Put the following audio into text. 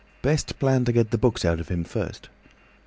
"Best plan to get the books out of him first."